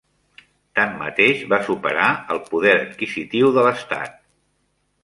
Tanmateix, va superar el poder adquisitiu de l'estat.